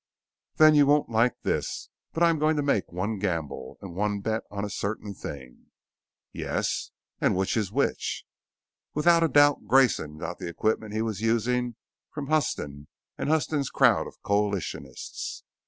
"Then you won't like this. But I'm going to make one gamble, and one bet on a certain thing." "Yes and which is which?" "Without a doubt Grayson got the equipment he was using from Huston and Huston's crowd of coalitionists.